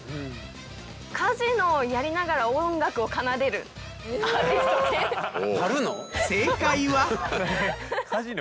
カジノをやりながら音楽を奏でるアーティスト犬。